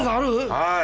はい。